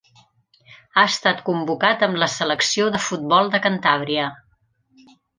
Ha estat convocat amb la selecció de futbol de Cantàbria.